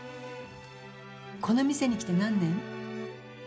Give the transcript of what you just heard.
この店に来て何年？